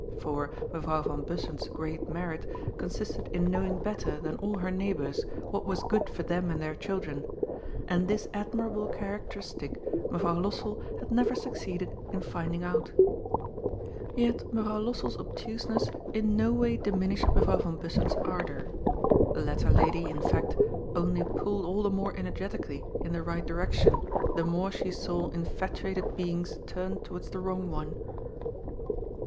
For Mevrouw van Bussen's great merit consisted in knowing better than all her neigh bours what was good for them and their children, and this admirable characteristic Mevrouw Lossell had never suc ceeded in finding out Yet Mevrouw Lossell's obtuseness in no way diminished Mevrouw van Bussen's ardour. The latter lady, in fact, only pulled all the more energetically in the right direction, the more she saw infatuated beings turn towards the wrong one.